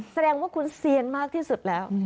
แสดงว่าคุณเซียนมากที่สุดแล้ว